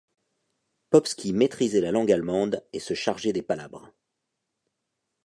Popski maîtrisait la langue allemande et se chargeait des palabres.